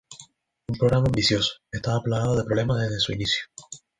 Un programa ambicioso, estaba plagado de problemas desde su inicio.